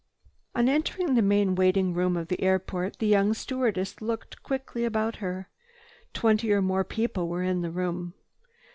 On entering the main waiting room of the airport, the young stewardess looked quickly about her. Twenty or more people were in the room.